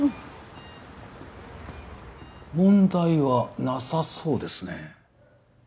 問題はなさそうですね。